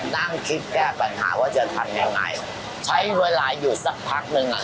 นั่งคิดแก้ปัญหาว่าจะทำยังไงใช้เวลาอยู่สักพักหนึ่งอ่ะ